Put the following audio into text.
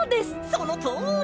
そのとおり！